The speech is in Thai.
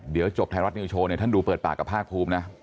เดี๋ยวจบไทยรัฐนิวโชว์เนี่ยท่านดูเปิดปากกับภาคภูมินะ